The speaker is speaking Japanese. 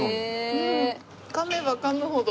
かめばかむほど。